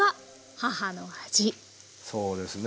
そうですね。